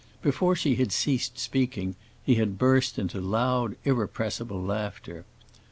Before she had ceased speaking he had burst into loud, irrepressible laughter.